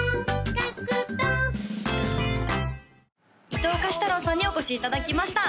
伊東歌詞太郎さんにお越しいただきました